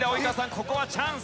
ここはチャンス。